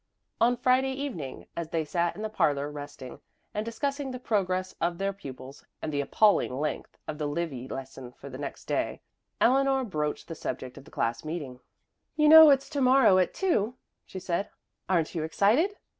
On Friday evening, as they sat in the parlor resting and discussing the progress of their pupils and the appalling length of the Livy lesson for the next day, Eleanor broached the subject of the class meeting. "You know it's to morrow at two," she said. "Aren't you excited?"